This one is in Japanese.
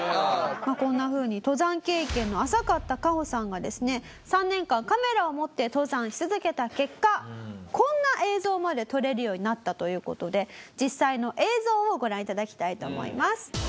こんなふうに登山経験の浅かったカホさんがですね３年間カメラを持って登山し続けた結果こんな映像まで撮れるようになったという事で実際の映像をご覧頂きたいと思います。